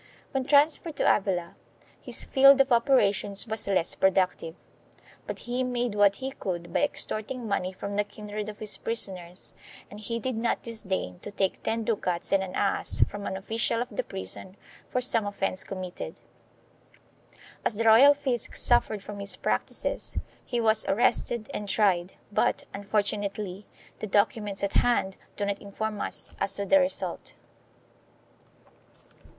When transferred to Avila his field of operations was less productive, but he made what he could by extorting money from the kindred of his prisoners, and he did not disdain to take ten ducats and an ass from an official of the prison for some offence committed. As the royal fisc suffered from his practices he was arrested and tried, but, unfor tunately, the documents at hand do not inform us as to the result.